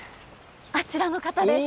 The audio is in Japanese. あちらの方です。